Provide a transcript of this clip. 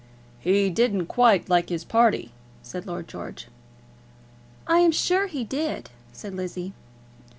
"He didn't quite like his party," said Lord George. "I am sure he did," said Lizzie.